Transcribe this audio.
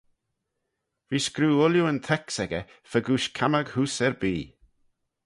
V'eh screeu ooilley'n teks echey fegooish cammag heose erbee.